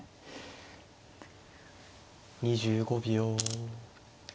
２５秒。